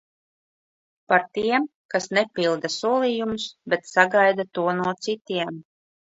Par tiem, kas nepilda solījumus, bet sagaida to no citiem.